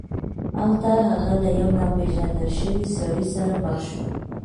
هلته هغه له یو ناپيژندل شوي سړي سره مخ شو.